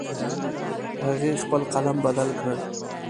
هغې خپل قلم بدل کړ